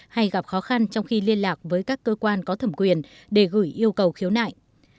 hay gặp khó khăn trong khi liên lạc với các cơ quan có thẩm quyền để gửi yêu cầu khiếu nại